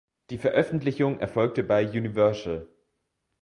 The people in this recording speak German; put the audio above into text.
Die Veröffentlichung erfolgte bei Universal.